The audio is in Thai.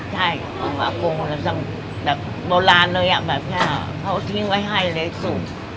ใช่บะโกงโบราณเลยเขาทิ้งไว้ให้เลยสูง